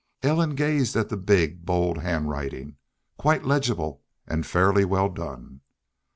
Ellen gazed at the big, bold hand writing, quite legible and fairly well done.